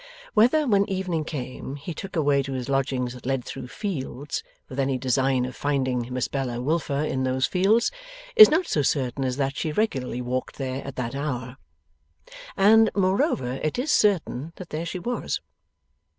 Whether, when evening came, he took a way to his lodgings that led through fields, with any design of finding Miss Bella Wilfer in those fields, is not so certain as that she regularly walked there at that hour. And, moreover, it is certain that there she was.